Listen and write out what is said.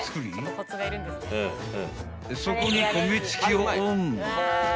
［そこに］